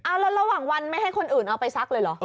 แล้วระหว่างวันไม่ให้คนอื่นเอาไปซักเลยเหรอ